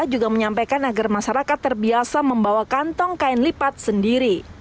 juga menyampaikan agar masyarakat terbiasa membawa kantong kain lipat sendiri